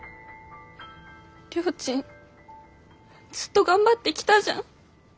りょーちんずっと頑張ってきたじゃん。